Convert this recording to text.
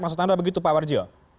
maksud anda begitu pak warjio